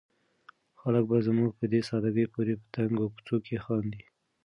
خلک به زموږ په دې ساده ګۍ پورې په تنګو کوڅو کې خاندي.